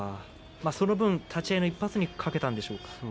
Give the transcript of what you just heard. その分、立ち合いの１発にかけたんでしょうか。